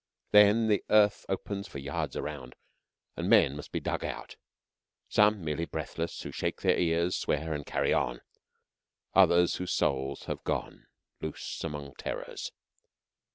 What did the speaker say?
Then earth opens for yards around, and men must be dug out, some merely breathless, who shake their ears, swear, and carry on, and others whose souls have gone loose among terrors.